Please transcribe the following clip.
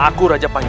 aku raja panjangan